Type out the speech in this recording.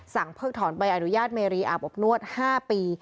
เพิกถอนใบอนุญาตเมรีอาบอบนวด๕ปี